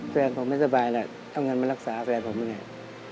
แฟนผมไม่สบายนะเอางานมารักษาแฟนผมเนี่ย